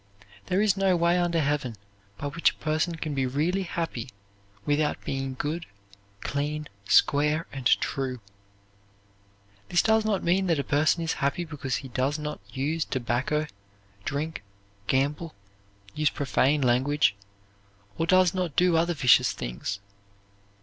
There is no way under heaven by which a person can be really happy without being good, clean, square, and true. This does not mean that a person is happy because he does not use tobacco, drink, gamble, use profane language or does not do other vicious things.